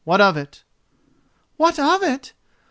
What of it?" "What of it?